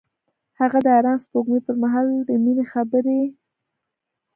هغه د آرام سپوږمۍ پر مهال د مینې خبرې وکړې.